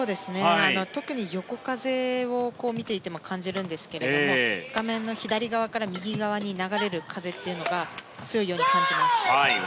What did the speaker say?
特に横風を、見ていても感じるんですけれども画面の左側から右側に流れる風というのが強いように感じます。